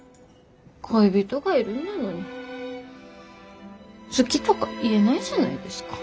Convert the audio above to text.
恋人がいるんだのに好きとか言えないじゃないですか。